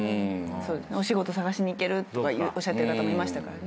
お仕事探しに行けるとおっしゃってる方もいましたからね。